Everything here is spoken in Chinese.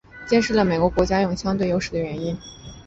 揭示了每个国家拥有相对优势的原因。